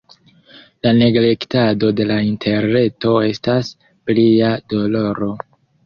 La neglektado de la interreto estas plia doloro.